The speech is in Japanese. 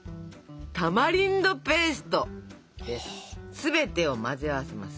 全てを混ぜ合わせます。